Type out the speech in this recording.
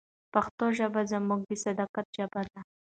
پښتو ژبه زموږ د صداقت ژبه ده.